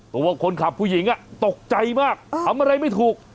ตัวคนขับผู้หญิงตกใจมากทำอะไรไม่ถูก